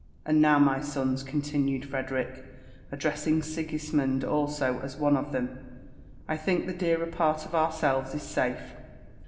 And now, my sons," continued Frederick addressing Sigismond also as one of them, '* I llfink the dearer part of ourselves is safe.